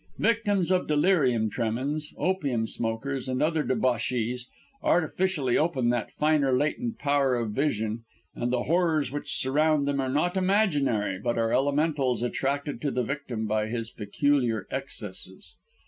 Victims of delirium tremens, opium smokers, and other debauchees, artificially open that finer, latent power of vision; and the horrors which surround them are not imaginary but are Elementals attracted to the victim by his peculiar excesses.